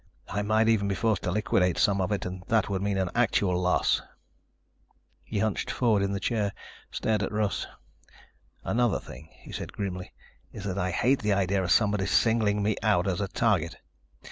I might even be forced to liquidate some of it and that would mean an actual loss." He hunched forward in the chair, stared at Russ. "Another thing," he said grimly, "is that I hate the idea of somebody singling me out as a target.